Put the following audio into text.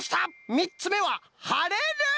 みっつめは「はれる」！